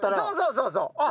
そうそうそうそう。